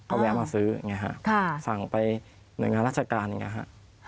ก็แวะมาซื้อไงฮะค่ะสั่งไปเหนืองานรัชการไงฮะ